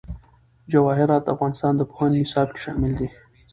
جواهرات د افغانستان د پوهنې نصاب کې شامل دي.